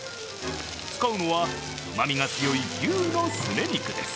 使うのは、うまみが強い牛のすね肉です。